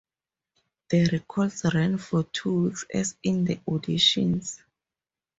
The recalls ran for two weeks as in the auditions.